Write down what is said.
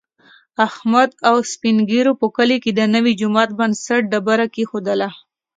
احمد او سپین ږېرو په کلي کې د نوي جوما د بنسټ ډبره کېښودله.